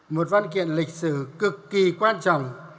một văn kiện lịch sử cực kỳ quan trọng